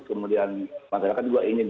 kemudian masyarakat juga ingin